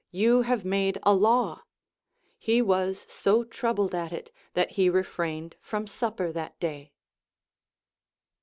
you have made a hiw, he was so troubled at it that he refrained from supper that day.